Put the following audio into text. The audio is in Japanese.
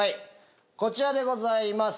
こちらでございます。